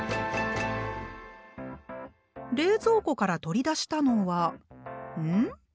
冷蔵庫から取り出したのはん？